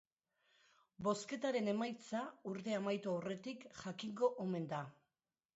Bozketaren emaitza urtea amaitu aurretik jakingo omen da.